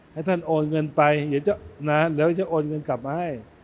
ให้ท่านโอนเงินไปเดี๋ยวจะโอนเงินกลับมาให้